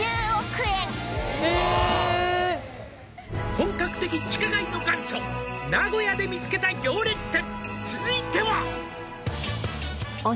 「本格的地下街の元祖名古屋で見つけた行列店」